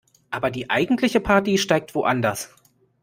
Aber die eigentliche Party steigt woanders.